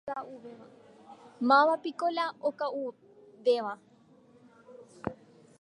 Mávapiko la oka'uvéva.